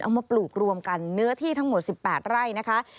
มาปลูกรวมกันเนื้อที่ทั้งหมด๑๘ไร่นะคะ